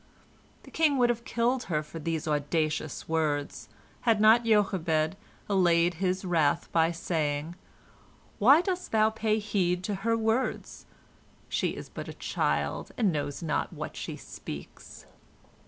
The king would have killed her for these audacious words, had not Jochebed allayed his wrath by saying: "Why dost thou pay heed to her words? She is but a child, and knows not what she speaks."